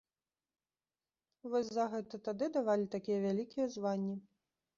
Вось за гэта тады давалі такія вялікія званні.